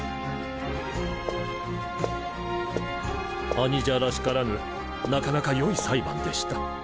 兄者らしからぬなかなか良い裁判でした。